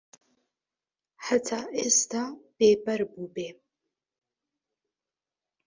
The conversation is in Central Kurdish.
هەتا ئێستا بێبەر بووبێ